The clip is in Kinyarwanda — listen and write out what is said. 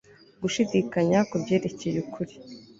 gushidikanya kubyerekeye ukuri